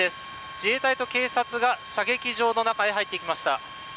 自衛隊と警察が射撃場の中へ入っていきました。